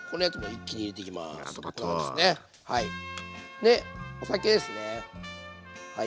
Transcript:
でお酒ですねはい。